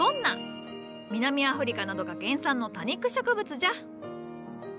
南アフリカなどが原産の多肉植物じゃ。